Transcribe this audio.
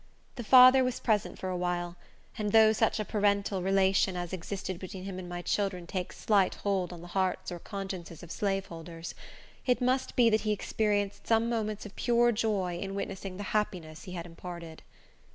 The father was present for a while; and though such a "parental relation" as existed between him and my children takes slight hold on the hearts or consciences of slaveholders, it must be that he experienced some moments of pure joy in witnessing the happiness he had imparted.